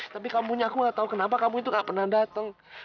tapi kamu punya aku nggak tahu kenapa kamu itu gak pernah datang